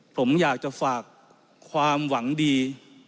ผมอยากจะฝากความหวังดี